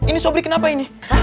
ini sobri kenapa ini